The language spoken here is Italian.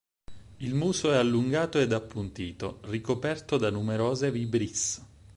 Il muso è allungato ed appuntito, ricoperto da numerose vibrisse.